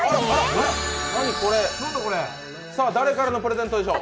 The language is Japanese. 誰からのプレゼントでしょう？